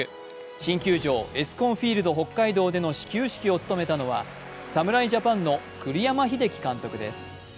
新球場ＥＳＣＯＮＦＩＥＬＤＨＯＫＫＡＩＤＯでの始球式を務めたのは侍ジャパンの栗山英樹監督です。